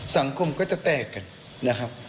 สังคมก็จะแตกกันนะครับ